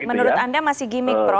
menurut anda masih gimmick prof